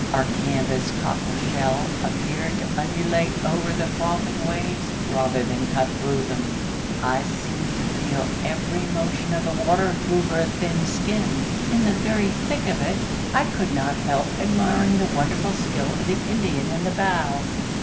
Our canvas cockle shell appeared to undulate over the frothing waves rather than cut through them. I seemed to feel every motion of the water through her thin skin. In the very thick of it I could not help admiring the wonderful skill of the Indian in the bow.